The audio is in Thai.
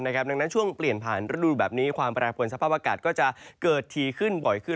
ดังนั้นช่วงเปลี่ยนผ่านฤดูแบบนี้ความแปรผลสภาพอากาศก็จะเกิดทีขึ้นบ่อยขึ้น